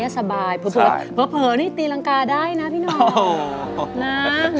สบายเผลอนี่ตีรังกาได้นะพี่น้องนะ